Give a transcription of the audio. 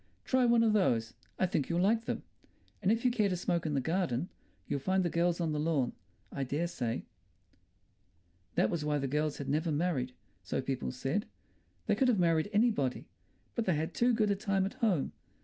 "Try one of those; I think you'll like them. And if you care to smoke in the garden, you'll find the girls on the lawn, I dare say." That was why the girls had never married, so people said. They could have married anybody. But they had too good a time at home.